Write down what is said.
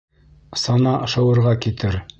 Сана шыуырға китер.